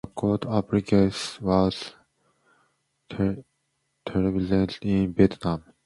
The court appearance was televised in Vietnam, with foreign reporters allowed to attend.